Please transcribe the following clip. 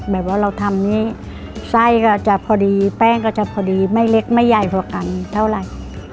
แบบว่าเราทำนี่ไส้ก็จะพอดีแป้งก็จะพอดีไม่เล็กไม่ใหญ่พอกันเท่าไหร่